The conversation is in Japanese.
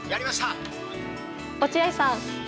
落合さん。